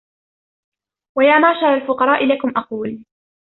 وَيَا مَعْشَرَ الْفُقَرَاءِ لَكُمْ أَقُولُ